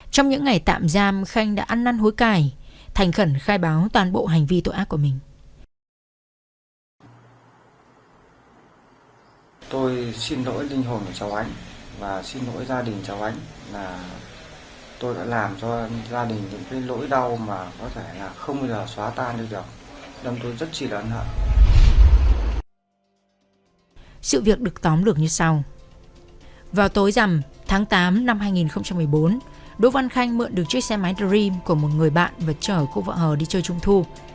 trong những ngày tạm giam khanh đã ăn năn hối cài thành khẩn khai báo toàn bộ hành vi tội ác của mình